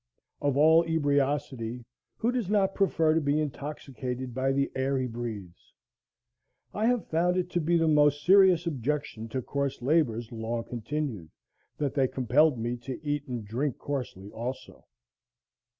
Of all ebriosity, who does not prefer to be intoxicated by the air he breathes? I have found it to be the most serious objection to coarse labors long continued, that they compelled me to eat and drink coarsely also.